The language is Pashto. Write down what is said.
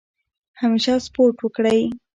همیشه سپورټ وکړئ.